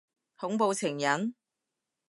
恐怖情人？